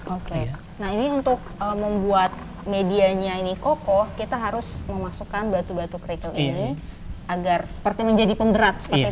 oke nah ini untuk membuat medianya ini kokoh kita harus memasukkan batu batu kerikil ini agar seperti menjadi pemberat seperti itu